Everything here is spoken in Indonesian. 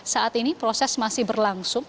saat ini proses masih berlangsung